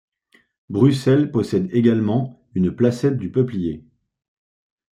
Bruxelles possède également une placette du Peuplier.